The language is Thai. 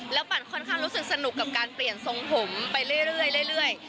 ปั่นค่อนข้างรู้สึกสนุกกับการเปลี่ยนทรงผมไปเรื่อย